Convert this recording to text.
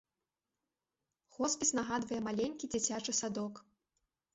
Хоспіс нагадвае маленькі дзіцячы садок.